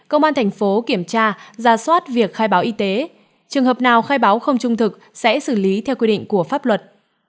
công an thành phố kiểm tra ra soát việc khai báo y tế trường hợp nào khai báo không trung thực sẽ xử lý theo quy định của pháp luật